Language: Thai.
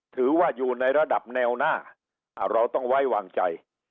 ถือว่าอยู่ในระดับแนวหน้าเราต้องไว้วางใจ